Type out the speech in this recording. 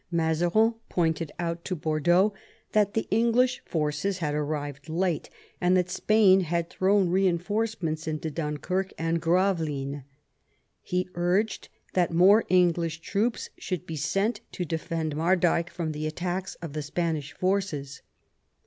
Mazarin pointed out to Bordeaux that the English forces had arrived late, and that Spain had thrown reinforcements into Dunkirk and Gravelines. He urged that more English troops should be sent to defend Mardyke from the attacks of the Spanish forces.